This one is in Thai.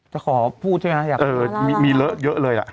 จะขอพูดใช่ไหมอยากเออมีเลอะเยอะเลยอ่ะ